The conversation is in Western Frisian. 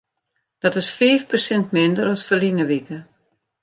Dat is fiif persint minder as ferline wike.